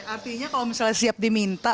artinya kalau misalnya siap diminta